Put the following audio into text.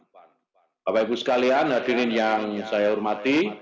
bapak ibu sekalian hadirin yang saya hormati